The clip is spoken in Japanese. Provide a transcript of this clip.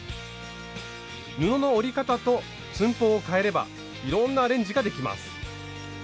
布の折り方と寸法をかえればいろんなアレンジができます。